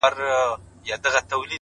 نن د هر گل زړگى په وينو رنـــــگ دى ـ